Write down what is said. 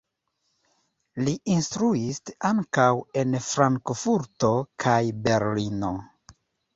Li instruis ankaŭ en Frankfurto kaj Berlino.